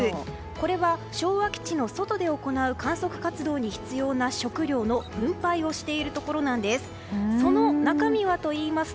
これは、昭和基地の外で行う観測活動に必要な食料の分配をしているところなんです。